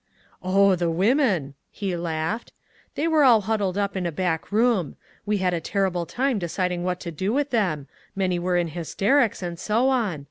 "Oh—the women!" He laughed. "They were all huddled up in a back room. We had a terrible time deciding what to do with them—many were in hysterics, and so on.